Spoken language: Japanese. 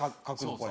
これ。